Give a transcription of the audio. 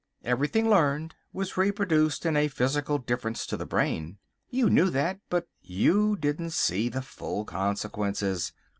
Everything learned was reproduced in a physical difference to the brain. You knew that, but you didn't see the full consequences.